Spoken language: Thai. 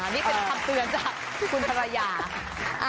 นี่เป็นคำเตือนจากคุณภรรยา